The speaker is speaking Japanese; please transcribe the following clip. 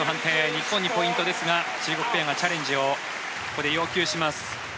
日本にポイントですが中国ペアがチャレンジをここで要求します。